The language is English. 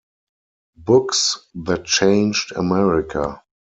"Books that Changed America".